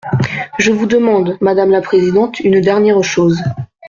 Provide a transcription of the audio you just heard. Je vous demande, madame la présidente, une dernière chose.